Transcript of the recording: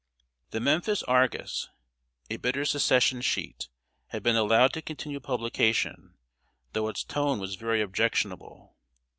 ] The Memphis Argus, a bitter Secession sheet, had been allowed to continue publication, though its tone was very objectionable.